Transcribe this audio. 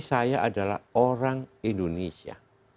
saya adalah orang indonesia